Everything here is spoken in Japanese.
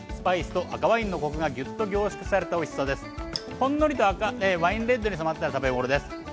ほんのりとワインレッドに染まったら食べごろです。